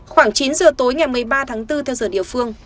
khoảng chín giờ tối ngày một mươi ba tháng bốn theo giờ địa phương